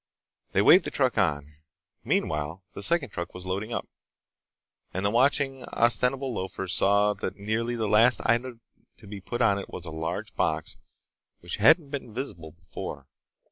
They waved the truck on. Meanwhile the second truck was loading up. And the watching, ostensible loafers saw that nearly the last item to be put on it was a large box which hadn't been visible before.